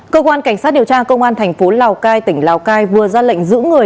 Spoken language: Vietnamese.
cơ quan cảnh sát điều tra công an tp hcm tỉnh lào cai vừa ra lệnh giữ người